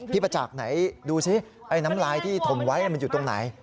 ประจักษ์ไหนดูสิน้ำลายที่ถมไว้มันอยู่ตรงไหน